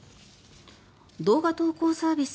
動画投稿サービス